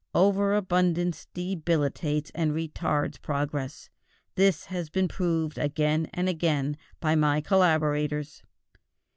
Over abundance debilitates and retards progress; this has been proved again and again by my collaborators.